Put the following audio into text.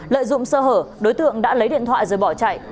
lợi dụng sơ hở đối tượng đã lấy điện thoại rồi bỏ chạy